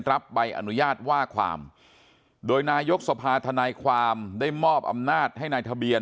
ใบอนุญาตว่าความโดยนายกสภาธนายความได้มอบอำนาจให้นายทะเบียน